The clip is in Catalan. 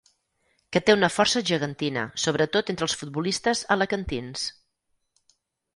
Que té una força gegantina, sobretot entre els futbolistes alacantins.